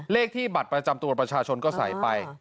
เลขที่บัตรประจำตัวประชาชนก็ใส่ไป